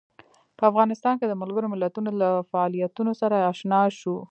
په افغانستان کې د ملګرو ملتونو له فعالیتونو سره آشنا شو.